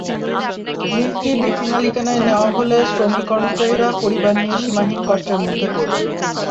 মিলটি ব্যক্তি মালিকানায় নেওয়া হলে শ্রমিক-কর্মচারীরা পরিবার নিয়ে সীমাহীন কষ্টের মধ্যে পড়বেন।